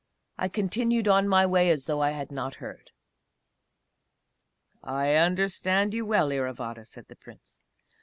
I continued on my way, as though I had not heard. "I understand you well, Iravata," said the Prince.